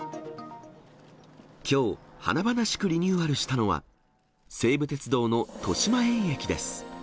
きょう、華々しくリニューアルしたのは、西武鉄道の豊島園駅です。